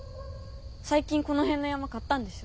最近この辺の山買ったんでしょ。